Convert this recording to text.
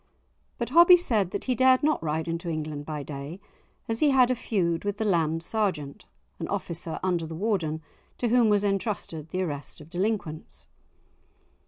But Hobbie said that he dared not ride into England by day, as he had a feud with the Land Sergeant (an officer under the Warden, to whom was entrusted the arrest of delinquents).